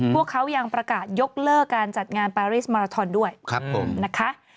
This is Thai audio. พวกเขายังประกาศยกเลิกการจัดงานปาริสมาราทอนด้วยครับผมนะคะ